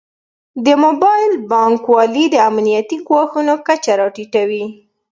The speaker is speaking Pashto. د موبایل بانکوالي د امنیتي ګواښونو کچه راټیټوي.